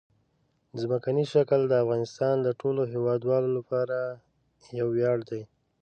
ځمکنی شکل د افغانستان د ټولو هیوادوالو لپاره یو ویاړ دی.